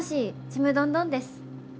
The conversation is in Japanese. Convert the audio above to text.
ちむどんどんです。